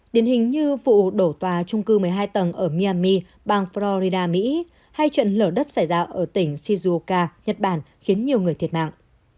điển hình như vụ đổ tòa trung cư một mươi hai tầng ở myami bang florida mỹ hay trận lở đất xảy ra ở tỉnh shizuoka nhật bản khiến nhiều người thiệt mạng